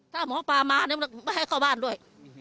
ถ้าหมอปลามาไม่ให้เข้าบ้านด้วย